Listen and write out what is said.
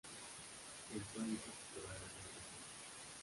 El cual hizo que cobrara mucha fama.